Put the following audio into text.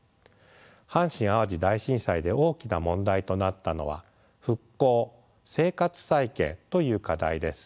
阪神・淡路大震災で大きな問題となったのは復興・生活再建という課題です。